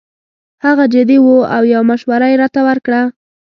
هغه جدي وو او یو مشوره یې راته ورکړه.